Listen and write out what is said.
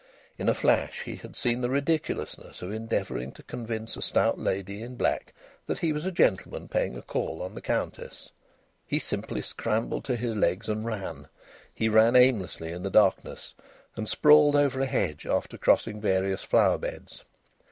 In a flash he had seen the ridiculousness of endeavouring to convince a stout lady in black that he was a gentleman paying a call on the Countess. He simply scrambled to his legs and ran. He ran aimlessly in the darkness and sprawled over a hedge, after crossing various flower beds.